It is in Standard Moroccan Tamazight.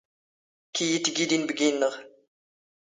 ⴽⵢⵢⵉ ⵜⴳⵉⴷ ⵉⵏⴱⴳⵉ-ⵏⵏⵖ.